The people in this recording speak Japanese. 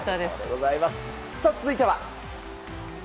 続いては。